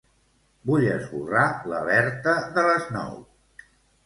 Vull esborrar l'alerta de les nou.